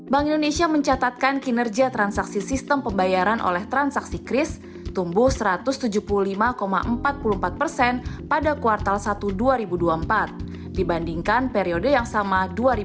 bank indonesia mencatatkan kinerja transaksi sistem pembayaran oleh transaksi kris tumbuh satu ratus tujuh puluh lima empat puluh empat persen pada kuartal satu dua ribu dua puluh empat dibandingkan periode yang sama dua ribu dua puluh